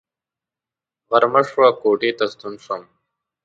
غرمه شوه کوټې ته ستون شوم.